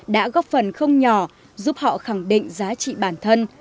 đã góp phần không nhỏ giúp họ khẳng định giá trị bản thân